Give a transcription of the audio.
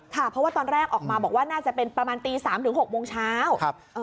ค่ะเพราะว่าตอนแรกออกมาบอกว่าน่าจะเป็นประมาณตี๓ถึง๖โมงเช้า